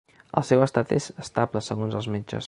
El seu estat és estable, segons els metges.